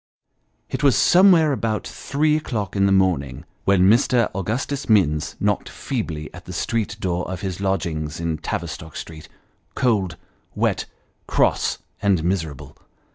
It was somewhere about three o'clock in the morning, when Mr. Augustus Minns knocked feebly at the street door of his lodgings in Tavistock Street, cold, wet, cross, and miserable.